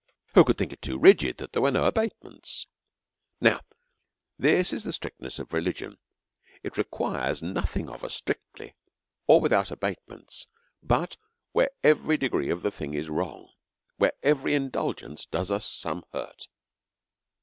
Who could think it too rigid that there were no abatements? Now, this is the strictness of religion ; it requires nothing of us strict ly or without abatements, but where every degree of the thing is wrong, where every indulgence does us some hurt.